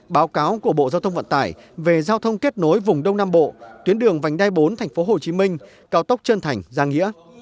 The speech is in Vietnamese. báo cáo của bộ giao thông vận tải về giao thông kết nối vùng đông nam bộ tuyến đường vành đai bốn tp hcm cao tốc trân thành giang nghĩa